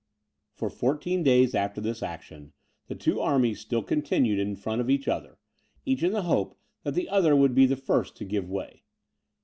For fourteen days after this action, the two armies still continued in front of each other, each in the hope that the other would be the first to give way.